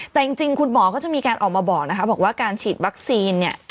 แต่จริงคุณหมอก็จะมีการออกมาบอกว่าการฉีดวัคซีน